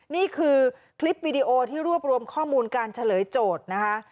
นี่คือคลิปวิดีโอที่รวบรวมข้อมูลการเฉลยโจทย์นะคะ